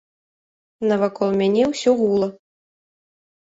Навакол мяне ўсё гуло.